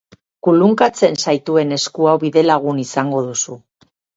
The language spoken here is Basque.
Kulunkatzen zaituen esku hau bidelagun izango duzu.